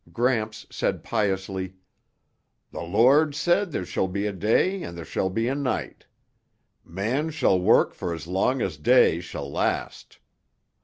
Gramps said piously, "The Lord said there shall be a day and there shall be a night. Man shall work for as long as day shall last.